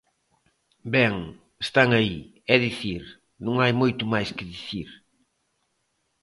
Ben, están aí; é dicir, non hai moito máis que dicir.